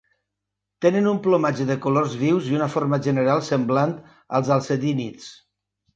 Tenen un plomatge de colors vius i una forma general semblant als alcedínids.